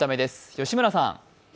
吉村さん。